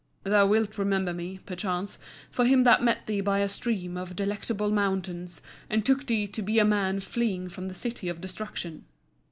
Thou wilt remember me, perchance, for him that met thee by a stream of the Delectable Mountains, and took thee to be a man fleeing from the City of Destruction.